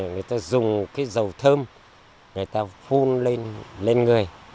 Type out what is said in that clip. người ta dùng cái dầu thơm người ta phun lên người